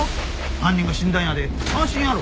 犯人が死んだんやで安心やろ。